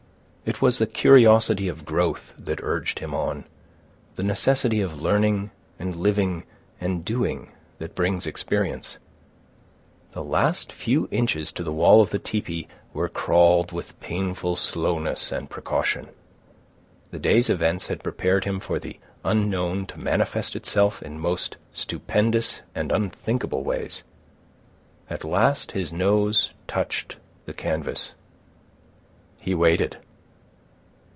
It was the curiosity of growth that urged him on—the necessity of learning and living and doing that brings experience. The last few inches to the wall of the tepee were crawled with painful slowness and precaution. The day's events had prepared him for the unknown to manifest itself in most stupendous and unthinkable ways. At last his nose touched the canvas. He waited.